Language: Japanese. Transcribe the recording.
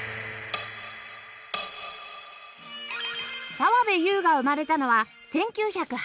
澤部佑が生まれたのは１９８６年